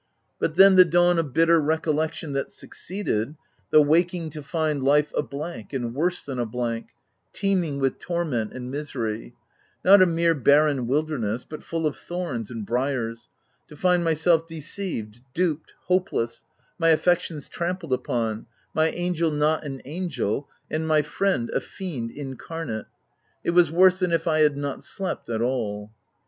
But then the dawn of bitter recollection that suc ceeded — the waking to find life a blank, and worse than a blank — teeming with torment and misery — not a mere barren wilderness, but full of thorns and briars — to find myself deceived, duped, hopeless, my affections trampled upon, my angel not an angel, and my friend a fiend incarnate — it was worse than if I had not slept at all.